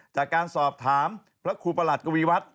จากการสอบถามพระครูประหลัดกวีวัฒน์